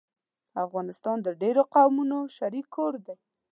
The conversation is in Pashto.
افغانستان د ډېرو قومونو شريک کور دی